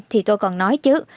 thì tôi còn nói chứ